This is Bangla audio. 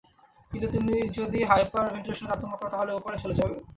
কিন্তু তুমি যদি হাইপারভেন্টিলেশনের তারতম্য করো তাহলে ওপারে চলে যাবে।